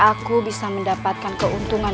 aku bisa mendapatkan keuntungan